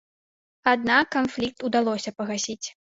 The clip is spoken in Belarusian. Аднак канфлікт удалося пагасіць.